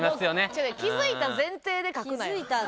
違う気付いた前提で書くなよ。